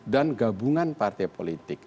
dan gabungan partai politik